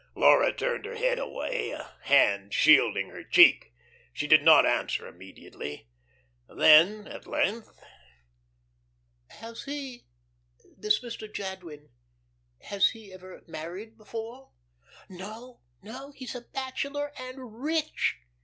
Laura turned her head away, a hand shielding her cheek. She did not answer immediately, then at length: "Has he this Mr. Jadwin has he ever been married before?" "No, no. He's a bachelor, and rich!